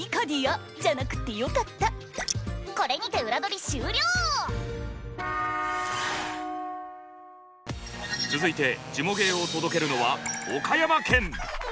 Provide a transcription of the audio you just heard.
これにて続いてジモ芸を届けるのは岡山県。